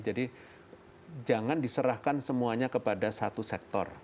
jadi jangan diserahkan semuanya kepada satu sektor